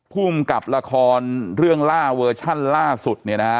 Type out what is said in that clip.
ภูมิกับละครเรื่องล่าเวอร์ชันล่าสุด